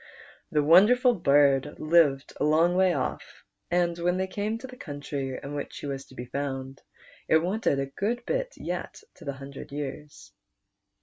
The wonderful bird lived a long way off, and when they came to the countr}' in which he was to be found, it wanted a good bit yet to the hundred years.